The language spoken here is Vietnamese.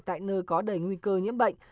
tại nơi có đầy nguy cơ nhiễm bệnh